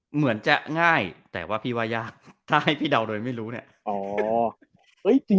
เหมือนจะง่ายแต่ว่าพี่ว่ายากถ้าให้พี่เดาโดยไม่รู้เนี่ย